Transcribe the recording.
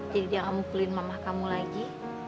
jadi dia nggak mau pukulin mama kamu lagi